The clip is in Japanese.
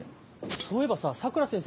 そういえばさ佐倉先生